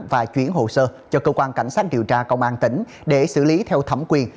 và chuyển hồ sơ cho cơ quan cảnh sát điều tra công an tỉnh để xử lý theo thẩm quyền